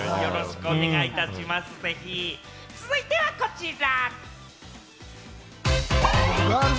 続いてはこちら！